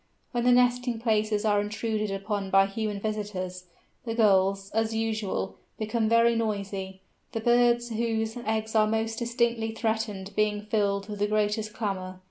When the nesting places are intruded upon by human visitors, the Gulls, as usual, become very noisy, the birds whose eggs are most directly threatened being filled with the greatest clamour.